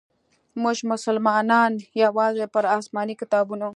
موږ مسلمانانو یوازي پر اسماني کتابونو.